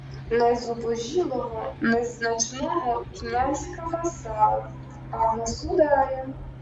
Не зубожілого, незначного князька-васала, а – государя!